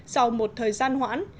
sau một thời gian hoãn